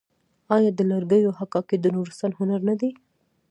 آیا د لرګیو حکاکي د نورستان هنر نه دی؟